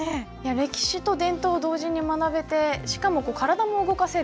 歴史と伝統を同時に学べてしかも体も動かせる。